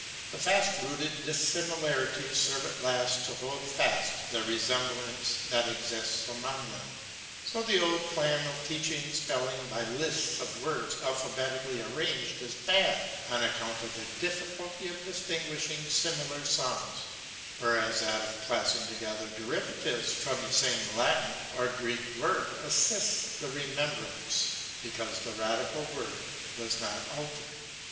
The fast rooted dissimilarities serve at last to hold fast the re semblance that exists among them. So the old plan of teaching spelling by lists of words alphabetically arranged is bad, on account of the difficulty of distinguishing simi lar sounds ; whereas that of classing together derivatives from the same Latin or Greek word assists the remem 376 LEVANA. brance, because the radical word does not alter.